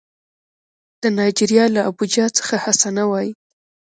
د نایجیریا له ابوجا څخه حسنه وايي